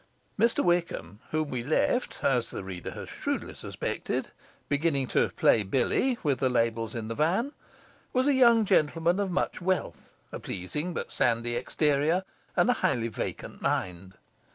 Mr Wickham, whom we left (as the reader has shrewdly suspected) beginning to 'play billy' with the labels in the van, was a young gentleman of much wealth, a pleasing but sandy exterior, and a highly vacant mind.